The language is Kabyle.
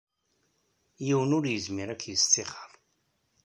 Yiwen ur yezmir ad k-yesṭixxer.